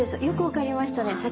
よく分かりましたね。